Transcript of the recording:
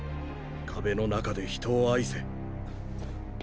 壁の中で人を愛せ。